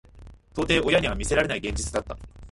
到底親には見せられない現実だった。